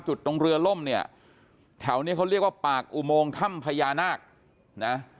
ตรงเรือล่มเนี่ยแถวนี้เขาเรียกว่าปากอุโมงถ้ำพญานาคนะ